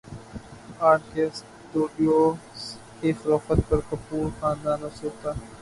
ار کے اسٹوڈیوز کی فروخت پر کپور خاندان افسردہ